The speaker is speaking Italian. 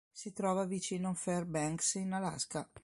Si trova vicino a Fairbanks in Alaska.